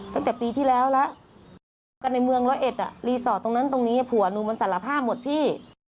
ตั้งแต่ปีที่แล้วแล้วจับกันในเมืองร้อยเอ็ดรีสอร์ทตรงนั้นตรงนี้ผัวหนูมันสารภาพหมดพี่